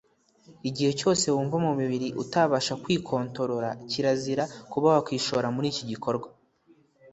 igihe cyose wumva mu mubiri utabasha kwikontorola kirazira kuba wakwishora muri iki gikorwa